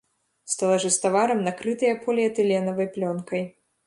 Стэлажы з таварам накрытыя поліэтыленавай плёнкай.